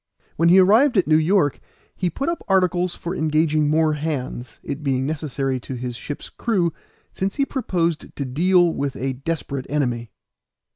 When he arrived at New York he put up articles for engaging more hands, it being necessary to his ship's crew, since he proposed to deal with a desperate enemy.